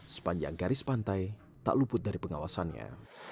sepanjang garis pantai tak luput dari pengawasannya